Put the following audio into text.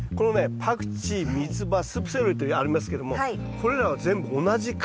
パクチーミツバスープセロリってありますけどもこれらは同じ科。